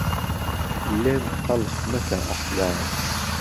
لێم تهڵخ مهکه ئهحواڵ